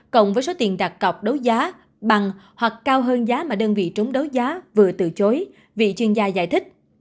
cộng với số tiền đặt cọc đấu giá bằng hoặc cao hơn giá mà đơn vị trúng đấu giá vừa từ chối vị chuyên gia giải thích